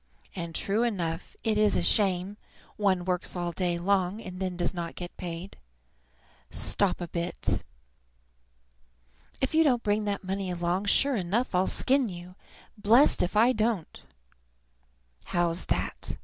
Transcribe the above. And, true enough, it is a shame; one works all day long, and then does not get paid. Stop a bit! If you don't bring that money along, sure enough I'll skin you, blessed if I don't. How's that?